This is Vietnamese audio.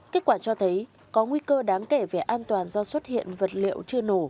kết quả cho thấy có nguy cơ đáng kể về an toàn do xuất hiện vật liệu chưa nổ